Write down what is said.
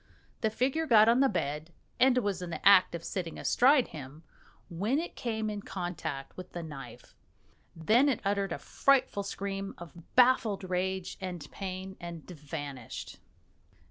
The figure got on the bed and was in the act of sitting astride him, when it came in contact with the knife. Then it uttered a frightful scream of baffled rage and pain, and vanished.